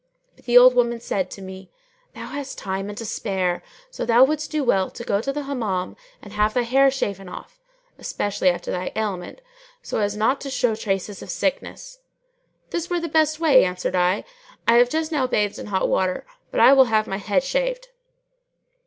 But the old woman said to me, "Thou hast time and to spare: so thou wouldst do well to go to the Hammam and have thy hair shaven off (especially after thy ailment), so as not to show traces of sickness." "This were the best way," answered I, "I have just now bathed in hot water, but I will have my head shaved."